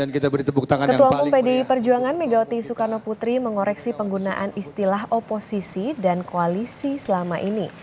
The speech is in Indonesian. ketua umum pdi perjuangan megawati soekarno putri mengoreksi penggunaan istilah oposisi dan koalisi selama ini